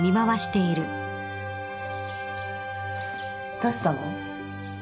どうしたの？